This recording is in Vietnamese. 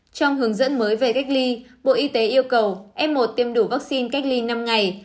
trong hướng dẫn mới về cách ly bộ y tế yêu cầu f một tiêm đủ vaccine cách ly năm ngày